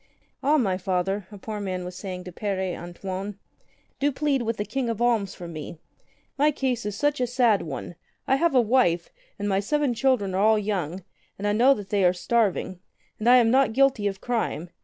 "Ah, my Father,'' a poor man was saying to Pere An toine, "do plead with the King of Alms for me. My case is such a sad one. I have a wife, and my seven children are all young, and I know they are starving. And I am not guilty of crime.